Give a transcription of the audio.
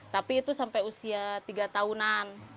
tapi itu sampai usia tiga tahunan